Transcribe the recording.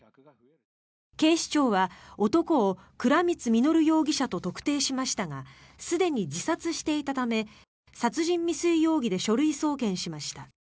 警視庁は、男を倉光実容疑者と特定しましたがすでに自殺していたため殺人未遂容疑で書類送検しました。